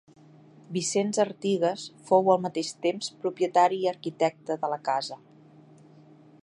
Vicenç Artigas fou al mateix temps propietari i arquitecte de la casa.